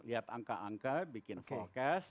lihat angka angka bikin forecast